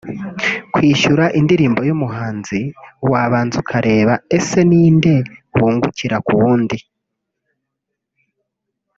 Kwishyura indirimbo y’umuhanzi wabanza ukareba ese ni nde wungukira ku wundi